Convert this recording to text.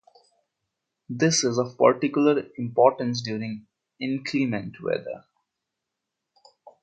This is of particular importance during inclement weather.